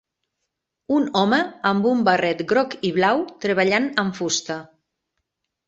Un home amb un barret groc i blau treballant amb fusta.